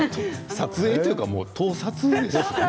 撮影というか盗撮ですね。